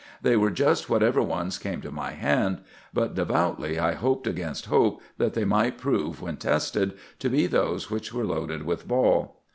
They were just whatever ones came to my hand; but devoutly I hoped against hope that they might prove, when tested, to be those which were loaded with ball.